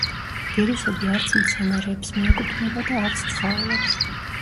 ვირუსები არც მცენარეებს მიეკუთვნება და არც ცხოველებს.